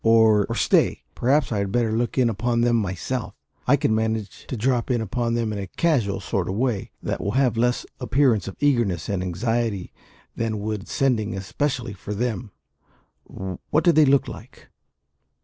Or, stay perhaps I had better look in upon them myself; I can manage to drop in upon them in a casual sort of way, that will have less appearance of eagerness and anxiety than would sending especially for them. What did they look like?"